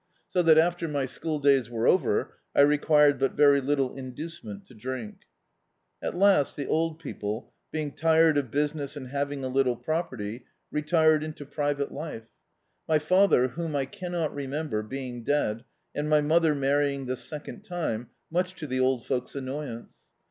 So that, after my school days were over, I required but very little induce ment to drink. At last the old people, being tired of business and having a litdc property, retired into private life; my father, whom I cannot remember, being dead, and my mother marrying the second time, much to the old folks' annoyance.